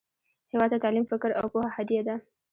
هیواد ته تعلیم، فکر، او پوهه هدیه ده